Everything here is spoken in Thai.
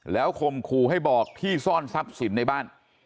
แล้วข่มขู่ให้บอกที่ซ่อนทรัพย์สินในบ้าน